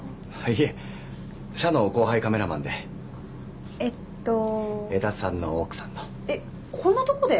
いえ社の後輩カメラマンでえっと江田さんの奥さんのえっこんなとこで？